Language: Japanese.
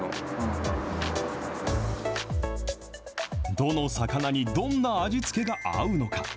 どの魚にどんな味付けが合うのか。